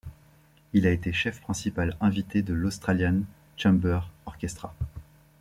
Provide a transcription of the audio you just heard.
Il a été chef principal invité de l'Australian Chamber Orchestra.